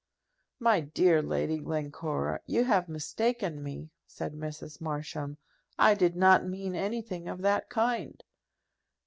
"My dear Lady Glencora, you have mistaken me," said Mrs. Marsham; "I did not mean anything of that kind."